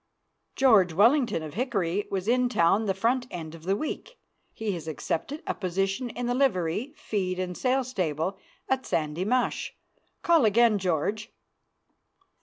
George Wellington, of Hickory, was in town the front end of the week. He has accepted a position in the livery, feed and sale stable at Sandy Mush. Call again, George.